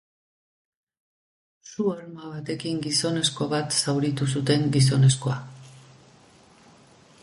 Su-arma batekin gizonezko bat zauritu zuten gizonezkoa.